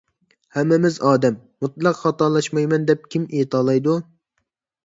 ھەممىمىز ئادەم. مۇتلەق خاتالاشمايمەن دەپ كىم ئېيتالايدۇ؟